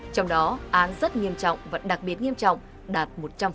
trong đó án rất nghiêm trọng và đặc biệt nghiêm trọng đạt một trăm linh